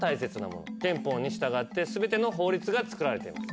憲法に従って全ての法律が作られています。